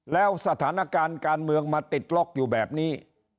แล้วสถานการณ์การเมืองมาติดล็อกอยู่แบบนี้